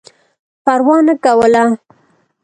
پروا نه کوله.